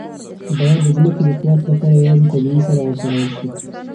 باید د ځمکې د قوت لپاره یوازې طبیعي سره وکارول شي.